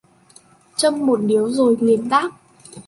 Châm một điếu rồi liền đáp